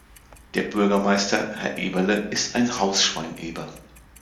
Der Bürgermeister, Herr Eberle, ist ein Hausschwein-Eber.